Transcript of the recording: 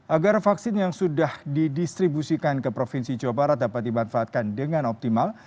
agar vaksin yang sudah didistribusikan ke provinsi jawa barat dapat dimanfaatkan dengan optimal